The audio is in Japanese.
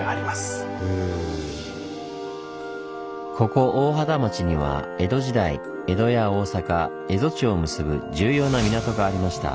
ここ大畑町には江戸時代江戸や大坂蝦夷地を結ぶ重要な港がありました。